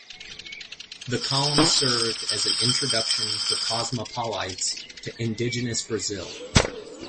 The column served as an introduction for cosmopolites to indigenous Brazil.